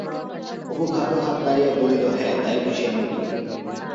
অপু ঘাড় ও হাত নাড়িয়া বলিল, হ্যাঁ, তাই বুঝি আমি বলি।